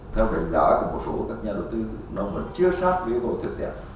theo đánh giá của một số các nhà đầu tư nó còn chưa sát với yếu tố thực tế